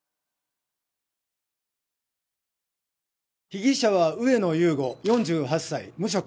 被疑者は植野雄吾４８歳無職。